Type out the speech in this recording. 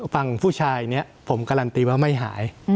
ฝั่งผู้ชายเนี่ยผมการันตีว่าไม่หาย